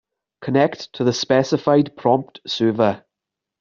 Connect to the specified prompt server.